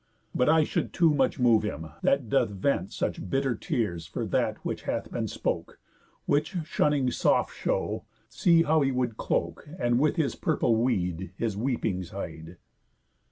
But I should too much move him, that doth vent Such bitter tears for that which hath been spoke, Which, shunning soft show, see how he would cloak, And with his purple weed his weepings hide."